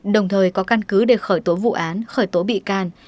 đồng thời có căn cứ để khởi tố vụ án khởi tố bị can